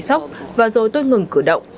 tôi bị sốc và rồi tôi ngừng cử động